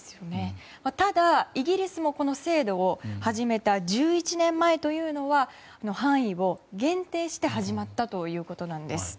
ただ、イギリスもこの制度を始めた１１年前というのは範囲を限定して始まったということです。